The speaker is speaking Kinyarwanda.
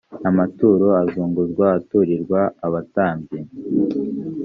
amaturo azunguzwa aturirwa abatambyi .